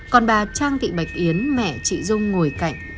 còn bà trang thị bạch yến mẹ chị dung ngồi cạnh